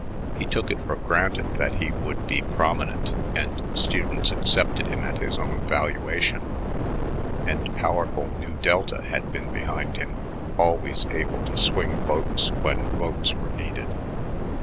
He took it for granted that he would be prominent, and the students accepted him at his own valuation; and powerful Nu Delta had been behind him, always able to swing Votes when votes were needed.